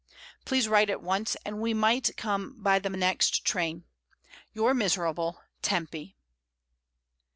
Please write at once, and we might come by the next train, "Your miserable "Tempy."